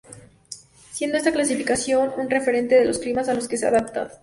Siendo esta clasificación un referente a los climas a los que están adaptadas.